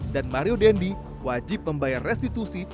dan mario dendi wajib membayar restitusi